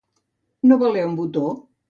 No valer un botó.